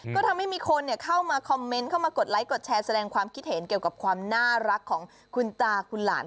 ก็ทำให้มีคนเข้ามาคอมเมนต์เข้ามากดไลค์กดแชร์แสดงความคิดเห็นเกี่ยวกับความน่ารักของคุณตาคุณหลาน